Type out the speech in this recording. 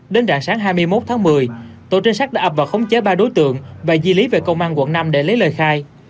đến rạng sáng hai mươi một tháng một mươi tổ trinh sát đã ập vào khống chế ba đối tượng và di lý về công an quận năm để lấy lời khai